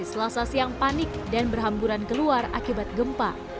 selasa siang panik dan berhamburan keluar akibat gempa